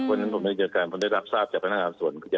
วันนั้นผมไม่ได้อยู่ในเหตุการณ์ผมได้รับทราบจากพนักงานสวน